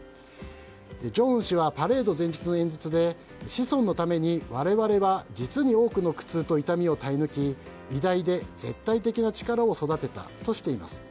正恩氏はパレード前日の演説で子孫のために我々は実に多くの苦痛と痛みを耐え抜き偉大で絶対的な力を育てたとしています。